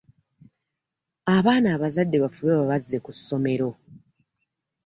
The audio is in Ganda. Abaana abazadde bafube babazze ku ssomero.